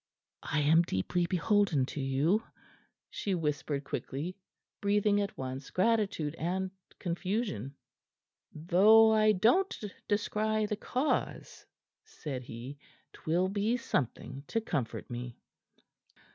"I am deeply beholden to you," she whispered quickly, breathing at once gratitude and confusion. "Though I don't descry the cause," said he, "'twill be something to comfort me."